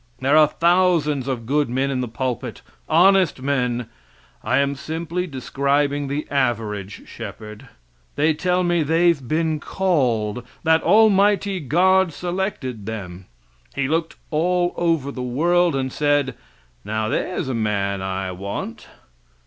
There are thousands of good men in the pulpit, honest men. I am simply describing the average shepherd; they tell me "they've been called," that Almighty God selected them. He looked all over the world and said: "Now, there's a man I want!"